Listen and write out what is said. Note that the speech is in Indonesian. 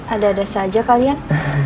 ada ada saja kalian